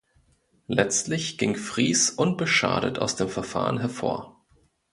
Letztlich ging Fries unbeschadet aus dem Verfahren hervor.